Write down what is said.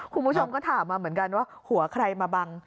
คุณผู้ชมก็ถามมาเหมือนกันว่าหัวใครมาบัง